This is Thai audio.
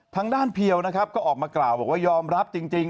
ทางด้านเพียวนะครับก็ออกมากล่าวว่ายอมรับจริง